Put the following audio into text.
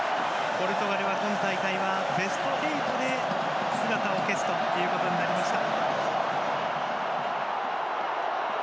ポルトガルは、今大会はベスト８で姿を消すということになりました。